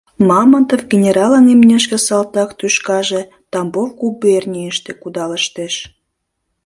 Мамонтов генералын имнешке салтак тӱшкаже Тамбов губернийыште кудалыштеш.